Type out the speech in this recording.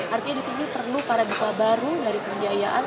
artinya di sini perlu paradigma baru dari pembiayaan